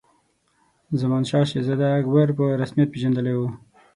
زمانشاه شهزاده اکبر په رسمیت پېژندلی وو.